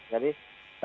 jadi asumsi berapa